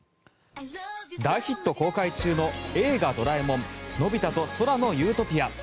大ヒット公開中の「映画ドラえもんのび太と空の理想郷」。